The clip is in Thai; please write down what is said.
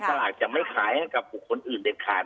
มอเตอร์อาจจะไม่ขายให้กับผู้คนอื่นเด็ดขาด